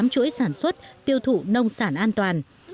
một mươi tám chuỗi sản xuất tiêu thụ nông sản an toàn